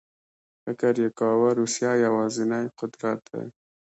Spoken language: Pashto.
فکر یې کاوه روسیه یوازینی قدرت دی.